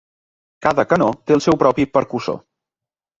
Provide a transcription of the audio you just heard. Cada canó té el seu propi percussor.